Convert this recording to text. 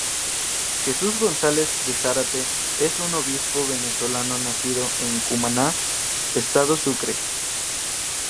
Jesús González de Zárate es un obispo Venezolano nacido en Cumaná, Estado Sucre.